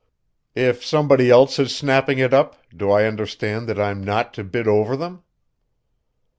"If somebody else is snapping it up, do I understand that I'm not to bid over them?"